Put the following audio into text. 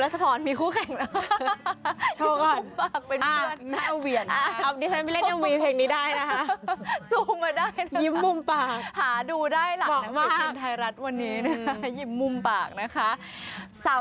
สาวใต้คนนี้มารู้กับเธอกันสักหน่อยนะคะ